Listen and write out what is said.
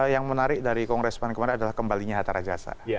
yang menarik dari kongres pan kemarin adalah kembalinya hatta rajasa